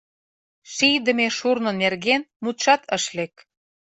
Шийдыме шурно нерген мутшат ыш лек.